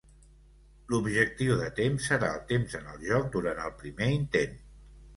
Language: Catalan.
L'objectiu de temps serà el temps en el joc durant el primer intent.